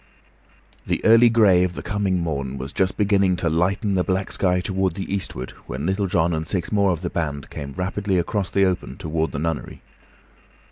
The early gray of the coming morn was just beginning to lighten the black sky toward the eastward when Little John and six more of the band came rapidly across the open toward the nunnery.